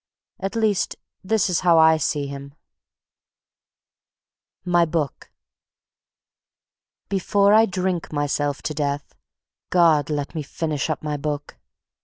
At least, this is how I see him: My Book Before I drink myself to death, God, let me finish up my Book!